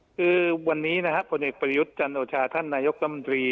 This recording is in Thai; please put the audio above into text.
คือวันนี้พนิกปฤยุทธ์จันทรชาท่านนายกรรมดรี